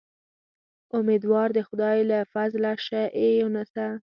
امیدوار د خدای له فضله شه اې یونسه.